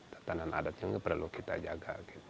tetanan adatnya nggak perlu kita jaga